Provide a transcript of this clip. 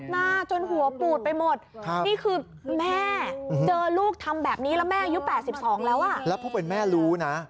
แล้วเพราะเป็นแม่รู้นะ